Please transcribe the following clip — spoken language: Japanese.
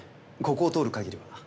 ここを通るかぎりは。